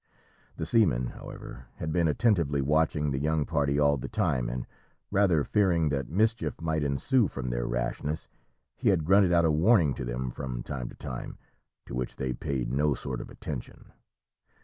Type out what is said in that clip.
The seaman, however, had been attentively watching the young party all the time, and rather fearing that mischief might ensue from their rashness, he had grunted out a warning to them from time to time, to which they paid no sort of attention.